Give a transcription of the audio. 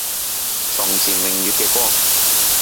床前明月嘅光